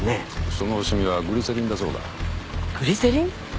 そのシミはグリセリンだそうだグリセリン？